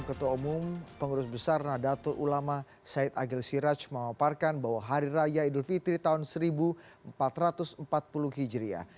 ketua umum pengurus besar nadatul ulama said agil siraj memaparkan bahwa hari raya idul fitri tahun seribu empat ratus empat puluh hijriah